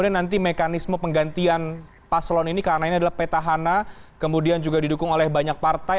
bagaimana nanti mekanisme penggantian paslon ini karena ini adalah petahana kemudian juga didukung oleh banyak partai